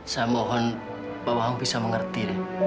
saya mohon pak wagu bisa mengerti